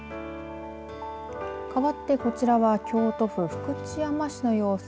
かわってこちらは京都府、福知山城の様子。